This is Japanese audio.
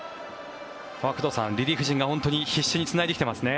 工藤さん、リリーフ陣が必死につないできてますね。